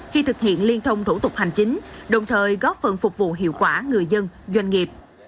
khi thực hiện liên thông thủ tục hành chính đồng thời góp phần phục vụ hiệu quả người dân doanh nghiệp